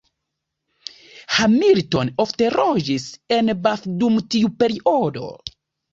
Hamilton ofte loĝis en Bath dum tiu periodo.